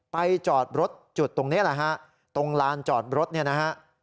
จอดรถจุดตรงนี้แหละฮะตรงลานจอดรถเนี่ยนะฮะ